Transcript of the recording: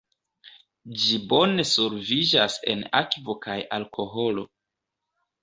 Ĝi bone solviĝas en akvo kaj alkoholo.